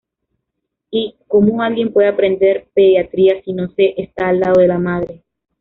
Y "“¿Cómo alguien puede aprender pediatría si no se está al lado la madre?